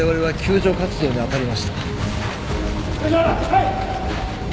はい！